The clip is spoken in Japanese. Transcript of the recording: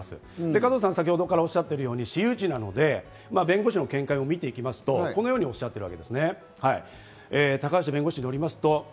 加藤さんがおっしゃっているように私有地なので、弁護士の見解を見てみますと、このようにおっしゃっていますね。